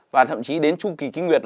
và thậm chí đến chung kỳ kinh nguyệt